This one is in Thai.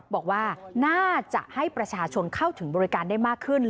บอกว่าน่าจะให้ประชาชนเข้าถึงบริการได้มากขึ้น